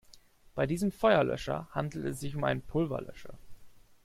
Bei diesem Feuerlöscher handelt es sich um einen Pulverlöscher.